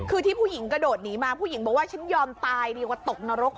คือที่ผู้หญิงกระโดดหนีมาผู้หญิงบอกว่าฉันยอมตายดีกว่าตกนรก